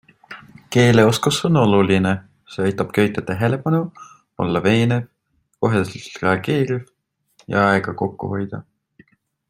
Keeleoskus on oluline, see aitab köita tähelepanu, olla veenev, koheselt reageeriv ja aega kokku hoida.